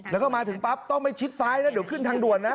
แล้วก็มาถึงปั๊บต้องไปชิดซ้ายนะเดี๋ยวขึ้นทางด่วนนะ